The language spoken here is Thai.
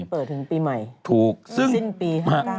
เปิดถึงปีใหม่ถูกสิ้นปี๕๙